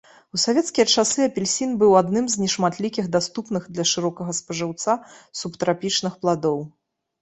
У савецкія часы апельсін быў адным з нешматлікіх даступных для шырокага спажыўца субтрапічных пладоў.